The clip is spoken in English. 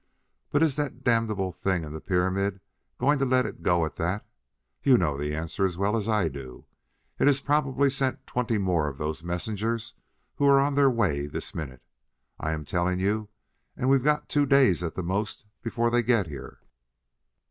But is that damnable thing in the pyramid going to let it go at that? You know the answer as well as I do. It has probably sent twenty more of those messengers who are on their way this minute, I am telling you; and we've got two days at the most before they get here."